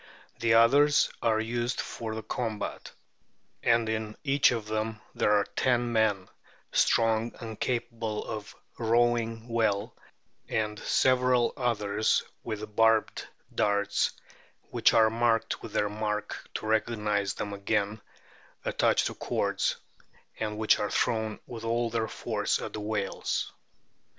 The others are used for the combat, and in each of them are ten men, strong and capable of rowing well, and several others with barbed darts, which are marked with their mark to recognise them again, attached to cords, and which are thrown with all their force at the whales."